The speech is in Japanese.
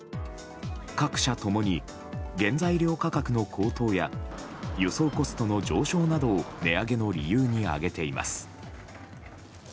各社ともに原材料価格の高騰や輸送コストの上昇などを値上げの理由に挙げています。